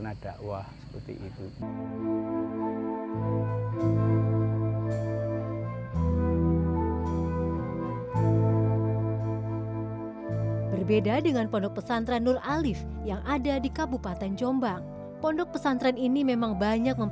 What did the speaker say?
nah dulu nunggu bagaimana ya